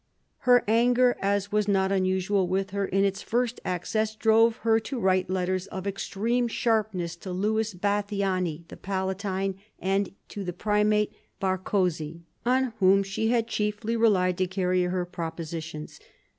Her anger, as was not unusual with her in its first access, drove her to write letters of extreme sharpness to Louis Bathyany the Palatine and to the Primate Barkoczy, on whom she had chiefly relied to carry her propositions.